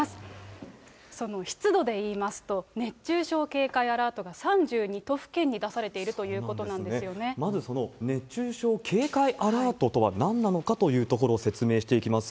その湿度でいいますと、熱中症警戒アラートが３２都府県に出されているということなんでまずその熱中症警戒アラートとはなんなのかというところを説明していきます。